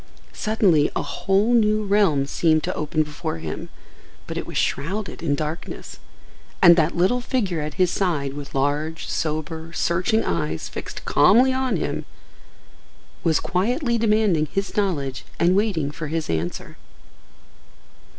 Suddenly a whole new realm seemed to open before him, but it was shrouded in darkness. And that little figure at his side with large, sober, searching eyes fixed calmly on him was quietly demanding his knowledge and waiting for his answer.